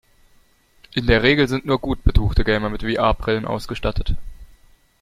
In der Regel sind nur gut betuchte Gamer mit VR-Brillen ausgestattet.